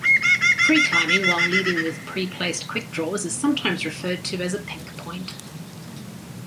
Free-climbing while leading with preplaced quickdraws is sometimes referred to as a pinkpoint.